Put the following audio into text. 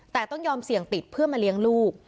แต่ต้องยอมเสี่ยงติดเพื่อมาเลี้ยงลูก